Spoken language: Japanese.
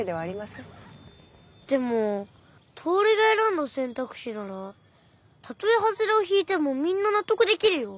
でもトオルが選んだ選択肢ならたとえハズレを引いてもみんな納得できるよ。